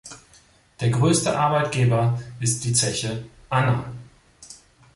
Der größte Arbeitgeber ist die Zeche „Anna“.